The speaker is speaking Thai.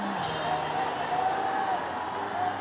ดีปะ